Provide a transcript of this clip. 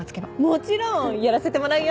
もちろんやらせてもらうよ！